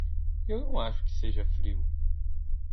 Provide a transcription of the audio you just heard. Eu não acho que seja frio.